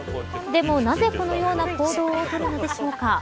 でも、なぜこのような行動をとるのでしょうか。